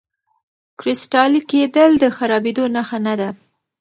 کرسټالي کېدل د خرابېدو نښه نه ده.